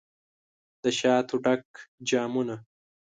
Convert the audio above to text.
دشاتو ډک جامونه